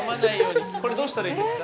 どうしたらいいですか？